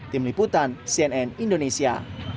tim liputan cnn indonesia